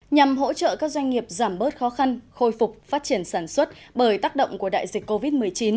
nhằm hỗ trợ các doanh nghiệp giảm bớt khó khăn khôi phục phát triển sản xuất bởi tác động của đại dịch covid một mươi chín